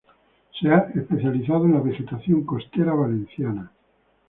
Se ha especializado en la vegetación costera valenciana.